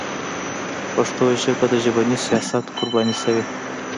پښتو ژبه د ژبني سیاست قرباني شوې.